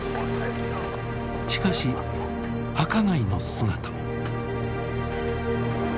しかし赤貝の姿も。